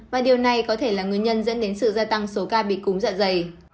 và điều này có thể là nguyên nhân dẫn đến sự gia tăng số ca bị cúm dạ dày